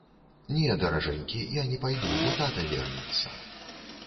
Не, даражэнькі, я не пайду, бо тата вернецца.